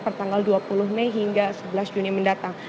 per tanggal dua puluh mei hingga sebelas juni mendatang